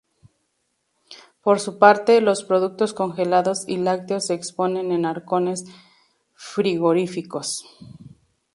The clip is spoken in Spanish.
Por su parte, los productos congelados y lácteos se exponen en arcones frigoríficos.